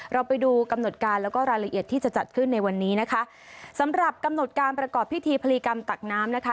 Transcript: เราไปดูกำหนดการแล้วก็รายละเอียดที่จะจัดขึ้นในวันนี้นะคะสำหรับกำหนดการประกอบพิธีพลีกรรมตักน้ำนะคะ